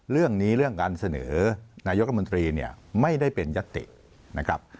เรื่องการเสนอนายกรรมนตรีเนี่ยไม่ได้เป็นยัตตินะครับ